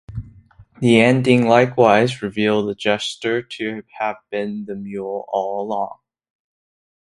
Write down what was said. The ending likewise reveals the jester to have been the Mule all along.